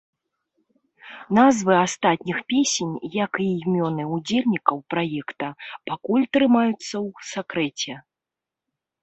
Назвы астатніх песень, як і імёны ўдзельнікаў праекта, пакуль трымаюцца ў сакрэце.